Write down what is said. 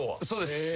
そうです。